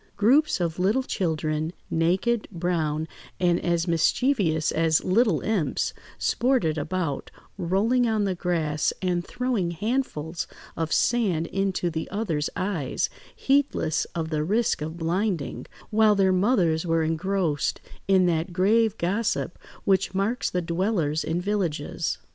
Groups of little children, naked, brown, and as mischievous as little imps, sported about, rolling on the grass and throwing handfuls of sand into the other's eyes, heedless of the risk of blinding, while their mothers were engrossed in that grave gossip which marks the dwellers in villages.